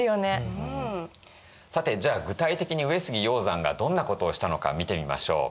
さてじゃあ具体的に上杉鷹山がどんなことをしたのか見てみましょう。